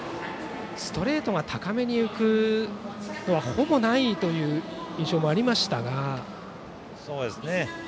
ストレートが高めに浮くことはほぼないという印象もありましたが。